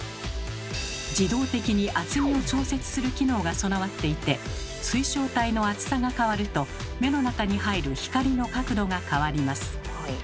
自動的に厚みを調節する機能が備わっていて水晶体の厚さが変わると目の中に入る光の角度が変わります。